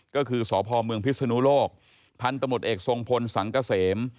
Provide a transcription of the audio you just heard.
ก็คือสพเมืองพิศนุโลกพันธมตเอกทรงพลสังเกษม